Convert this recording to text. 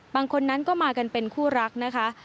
บางคนนั้นก็มากันเป็นคู่รักนะคะ